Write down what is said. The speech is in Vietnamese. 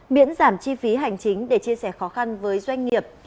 miễn giảm chi phí hành chính để chia sẻ khó khăn với doanh nghiệp